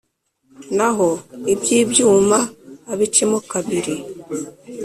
Naho iby`ibyuma abicemo kabiri.